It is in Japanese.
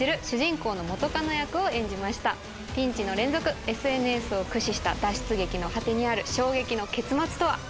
ピンチの連続ＳＮＳを駆使した脱出劇の果てにある衝撃の結末とは？